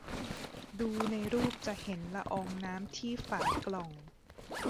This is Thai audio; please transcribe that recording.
ดูในรูปจะเห็นละอองน้ำที่ฝากล่อง